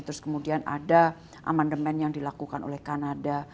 terus kemudian ada amendement yang dilakukan oleh kanada